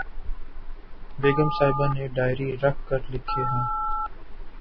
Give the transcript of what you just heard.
بیگم صاحبہ نے ڈائری رکھ کر لکھے ہیں